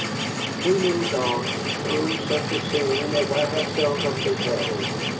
We moved on, through such a scene as I have seldom beheld.